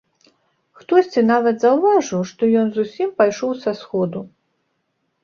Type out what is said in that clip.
Хтосьці нават заўважыў, што ён зусім пайшоў са сходу.